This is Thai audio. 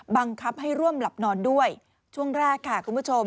บังคับให้ร่วมหลับนอนด้วยช่วงแรกค่ะคุณผู้ชม